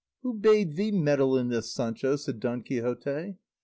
"Who bade thee meddle in this, Sancho?" said Don Quixote.